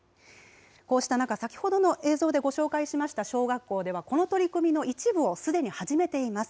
こうした中、先ほどの映像でご紹介しました小学校では、この取り組みの一部を、すでに始めています。